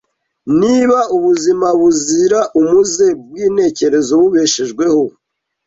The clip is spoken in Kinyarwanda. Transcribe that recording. Niba ubuzima buzira umuze bw’intekerezo bubeshwejweho